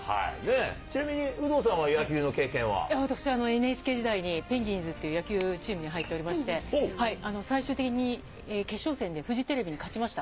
ちなみに有働さんは野球の経いや、私、ＮＨＫ時代にペギーズっていう野球チームに入っておりまして、最終的に決勝戦でフジテレビに勝ちました。